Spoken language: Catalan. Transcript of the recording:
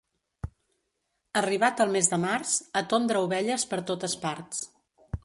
Arribat el mes de març, a tondre ovelles per totes parts.